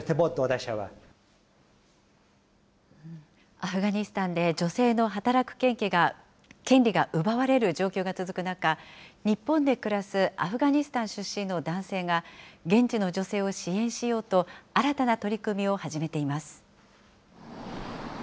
アフガニスタンで女性の働く権利が奪われる状況が続く中、日本で暮らすアフガニスタン出身の男性が、現地の女性を支援しようと、新たな取り組みを始めています。